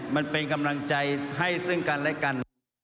มันเป็นกำลังใจให้ซึ่งกันและกัน